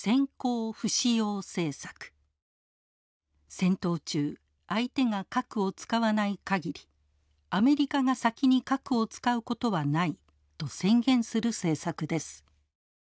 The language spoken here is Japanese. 戦闘中相手が核を使わない限りアメリカが先に核を使うことはないと宣言する政策です。